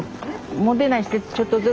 もてないしてちょっとずつ。